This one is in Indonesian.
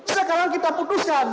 sekarang kita putuskan